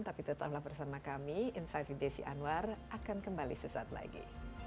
tapi tetaplah bersama kami insight with desi anwar akan kembali sesaat lagi